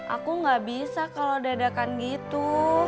aku gak bisa kalo dadakan gitu